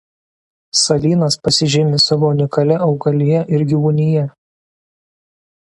Salynas pasižymi savo unikalia augalija ir gyvūnija.